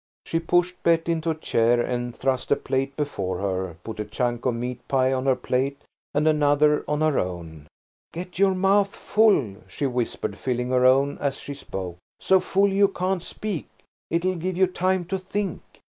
She pushed Bet into a chair and thrust a plate before her, put a chunk of meat pie on her plate and another on her own. "Get your mouth full," she whispered, filling her own as she spoke–"so full you can't speak–it'll give you time to think."